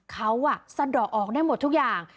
เขาสะดอกออกได้หมดทุกอย่าง